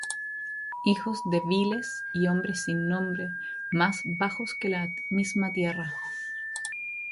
Hijos de viles, y hombres sin nombre, Más bajos que la misma tierra.